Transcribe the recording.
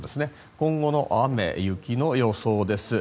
今後の雨・雪の予想です。